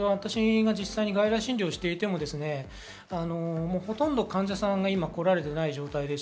実際、外来診療をしていてもほとんど患者さんは今、来られていない状態です。